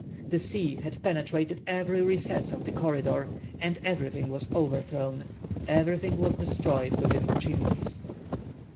The sea had penetrated every recess of the corridor, and everything was overthrown, everything was destroyed within the Chimneys.